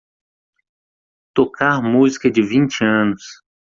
Tocar música de vinte anos